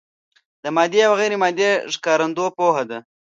د مادي او غیر مادي ښکارندو پوهه ده.